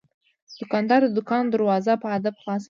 دوکاندار د دوکان دروازه په ادب خلاصوي.